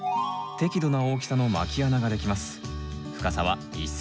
適度な大きさのまき穴が出来ます。